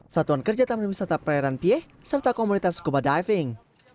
satuan kerja taman wisata perairan pieh serta komunitas scuba diving